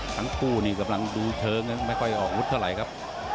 ทั้งคู่นี่กำลังดูเชิงไม่ค่อยออกอาวุธเท่าไหร่ครับ